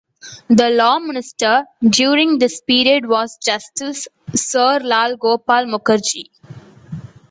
The law minister during this period was Justice Sir Lal Gopal Mukherjee.